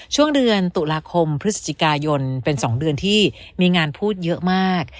ช่วงเดือนตุลาคมพฤศจิกายนเป็น๒เดือนที่มีงานพูดเยอะมาก